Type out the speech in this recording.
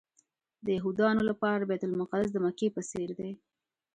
د یهودانو لپاره بیت المقدس د مکې په څېر دی.